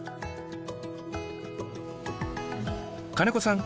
金子さん